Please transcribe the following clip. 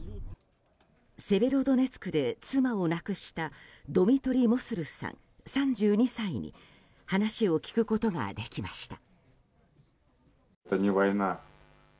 セベロドネツクで妻を亡くしたドミトリ・モスルさん、３２歳に話を聞くことができました。